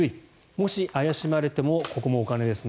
もし怪しまれてもここもお金ですね